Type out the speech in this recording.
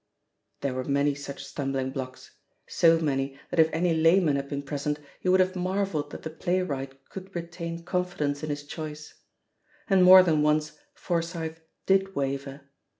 There were many such stumbling blocks; so many that if any layman had been present he would have marvelled that the playwright could retain confidence in his choice. And more than once Forsyth did waver.